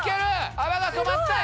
泡が止まった。